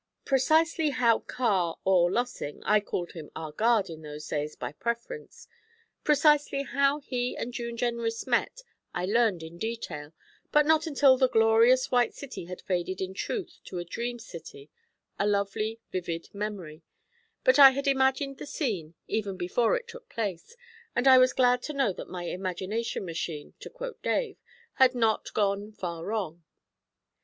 Precisely how Carr or Lossing I called him 'our guard' in those days, by preference precisely how he and June Jenrys met, I learned in detail, but not until the glorious White City had faded in truth to a dream city a lovely vivid memory; but I had imagined the scene, even before it took place, and I was glad to know that my 'imagination machine,' to quote Dave, had not gone far wrong.